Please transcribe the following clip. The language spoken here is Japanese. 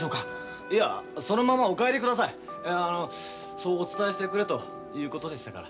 そうお伝えしてくれということでしたから。